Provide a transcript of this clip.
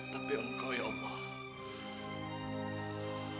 tapi engkau ya allah